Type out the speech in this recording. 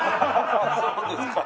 そうですか。